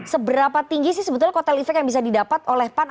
seberapa tinggi sih sebetulnya kotel efek yang bisa didapat oleh pan